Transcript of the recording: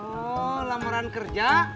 oh lamaran kerja